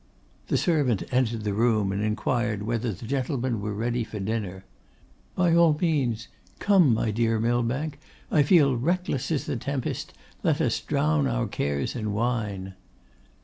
The servant entered the room, and inquired whether the gentlemen were ready for dinner. 'By all means; come, my dear Millbank, I feel reckless as the tempest; let us drown our cares in wine!